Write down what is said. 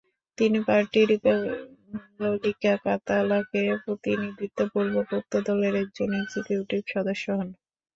তিনি পার্টিট রিপাবলিকা কাতালাকে প্রতিনিধিত্বপূর্বক উক্ত দলের একজন এক্সিকিউটিভ সদস্য হন।